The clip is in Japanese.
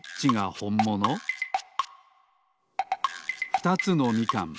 ふたつのみかん。